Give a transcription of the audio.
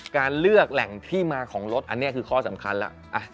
การเลือกแหล่งที่มาของรถอันนี้คือข้อสำคัญแล้ว